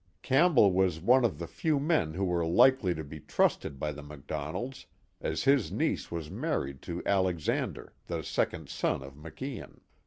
Campbell was one of the few men who were likely to be trusted by the MacDonalds, as his niece was married to Alex ander, the second son of Maclan.